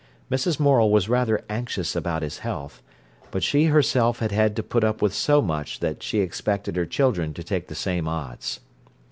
Mrs. Morel was rather anxious about his health. But she herself had had to put up with so much that she expected her children to take the same odds.